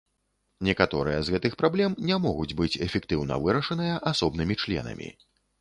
Некаторыя з гэтых праблем не могуць быць эфектыўна вырашаныя асобнымі членамі.